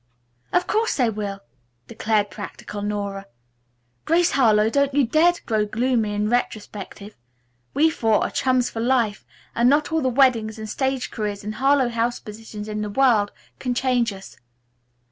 "Of course they will," declared practical Nora. "Grace Harlowe, don't you dare to grow gloomy and retrospective. We four are chums for life, and not all the weddings and stage careers and Harlowe House positions in the world can change us."